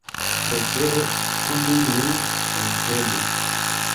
Prefere oni min elpelu.